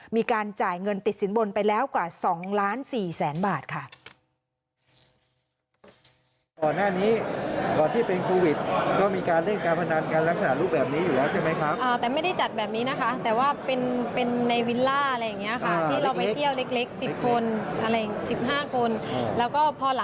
มีการจ่ายเงินติดสินบนไปแล้วกว่า๒ล้าน๔แสนบาทค่ะ